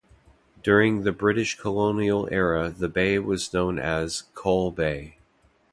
During the British colonial era the bay was known as "Cull bay".